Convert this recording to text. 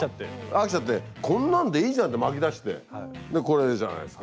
飽きちゃってこんなんでいいじゃんって巻きだしてでこれじゃないっすか。